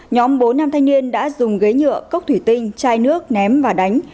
nhóm bốn nam thanh niên đã dùng ghế nhựa cốc thủy tinh chai nước ném và đánh